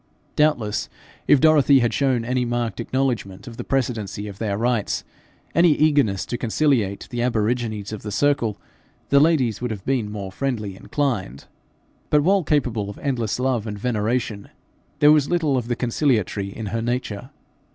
Doubtless if Dorothy had shown any marked acknowledgment of the precedency of their rights any eagerness to conciliate the aborigines of the circle, the ladies would have been more friendly inclined; but while capable of endless love and veneration, there was little of the conciliatory in her nature.